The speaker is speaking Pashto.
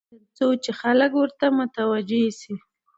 تر څو چې خلک ورته متوجع شي.